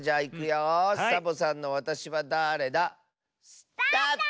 スタート！